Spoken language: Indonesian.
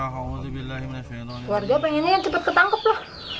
keluarga pengennya cepat ketangkep lah